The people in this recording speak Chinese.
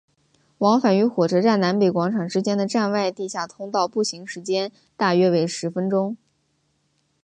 往返于火车站南北广场之间的站外地下通道步行时间大约为十分钟。